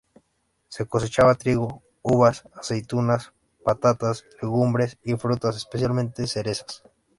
Se cosechaba trigo, uvas, aceitunas, patatas, legumbres y frutas, especialmente cerezas.